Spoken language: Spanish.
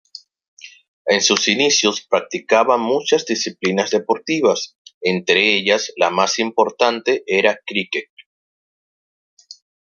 En sus inicios, practicaba muchas disciplinas deportivas; entre ellas la más importante era cricket.